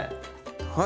はい！